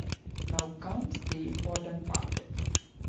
Now comes the important part.